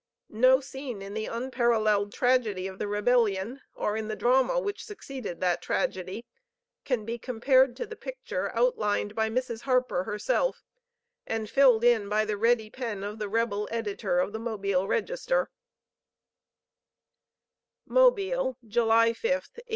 No scene in the unparalleled tragedy of the rebellion, or in the drama which succeeded that tragedy, can be compared to the picture outlined by Mrs. Harper herself, and filled in by the ready pen of the rebel editor of the Mobile Register: MOBILE, July 5, 1871.